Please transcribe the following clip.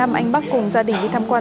anh bắc cùng gia đình đi tham quan